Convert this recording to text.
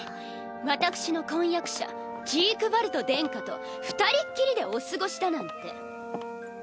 私の婚約者ジークヴァルト殿下と二人っきりでお過ごしだなんて。